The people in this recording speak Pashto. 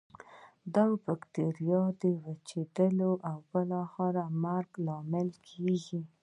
دا د بکټریا د وچیدو او بالاخره مرګ لامل کیږي.